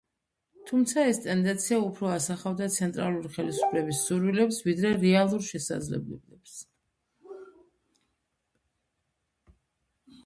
თუმცა ეს ტენდენცია უფრო ასახავდა ცენტრალური ხელისუფლების სურვილებს, ვიდრე რეალურ შესაძლებლობებს.